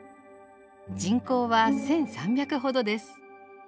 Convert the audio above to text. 人口は１，３００ほどです。